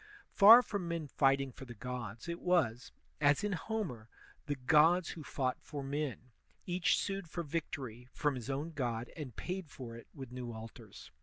Far from men fighting for the gods, it was, as in Homer, the gods who fought for men; each sued for victory from his own god and paid for it with new altars.